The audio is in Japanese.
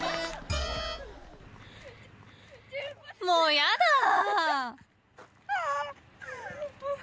もうやだ！